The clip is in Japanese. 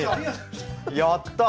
やった！